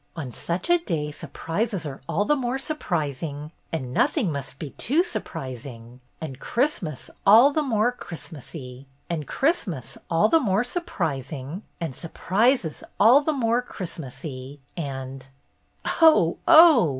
On such a day surprises are all the more surprising, and nothing must be too surprising, and Christmas all the more Christmasy, and Christmas all the more surprising, and surprises all the more Christmasy, and —" "Oh, oh!"